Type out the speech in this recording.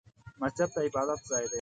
مسجد د عبادت ځای دی